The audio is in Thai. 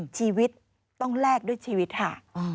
ชีวิตต้องแลกด้วยชีวิตค่ะ